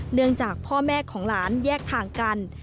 เนื่องจากพ่อแม่ของหลานแยกทางกัน